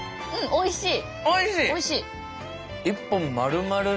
おいしい。